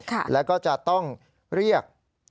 แล้วก็จะต้องเรียก